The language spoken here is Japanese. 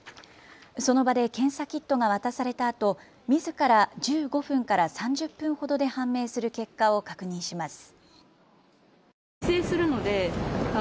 その場で検査キットが渡されたあとみずから１５分から３０分ほどで判明する結果を確認します。